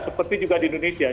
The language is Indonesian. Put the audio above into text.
seperti juga di indonesia